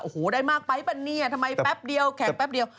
โอ้โหได้มากไปปะเนี่ยทำไมแป๊บเดียว